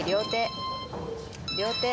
両手。